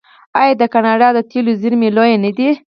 آیا د کاناډا د تیلو زیرمې لویې نه دي؟